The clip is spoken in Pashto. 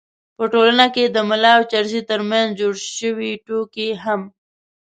په ټولنه کې د ملا او چرسي تر منځ جوړې شوې ټوکې هم